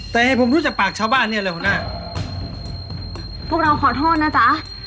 จะดีจังช้าพ่อใช่ไม่ใช่โคบแบบนี้อ่ะจ๊ะ